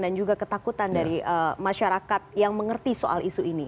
dan juga ketakutan dari masyarakat yang mengerti soal isu ini